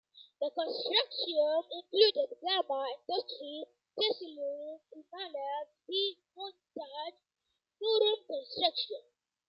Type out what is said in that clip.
The consortium included Gama Endustri Tesisleri Imalat ve Montaj, Nurol Construction.